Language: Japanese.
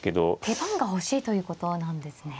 手番が欲しいということなんですね。